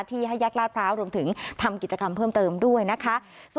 ให้แยกลาดพร้าวรวมถึงทำกิจกรรมเพิ่มเติมด้วยนะคะ